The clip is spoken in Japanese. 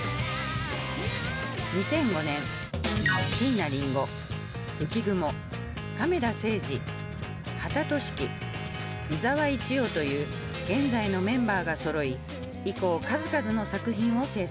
２００５年椎名林檎浮雲亀田誠治刄田綴色伊澤一葉という現在のメンバーがそろい以降数々の作品を制作。